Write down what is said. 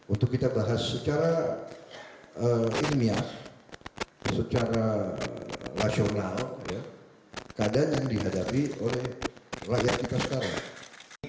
untuk kita bahas secara ilmiah secara nasional keadaan yang dihadapi oleh rakyat kita sekarang